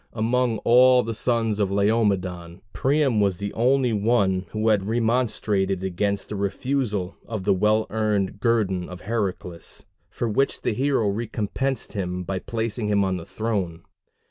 Among all the sons of Laomedon, Priam was the only one who had remonstrated against the refusal of the well earned guerdon of Heracles; for which the hero recompensed him by placing him on the throne.